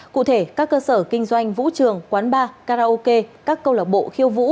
cụ thể các cơ sở kinh doanh vũ trường quán bar karaoke các câu lạc bộ khiêu vũ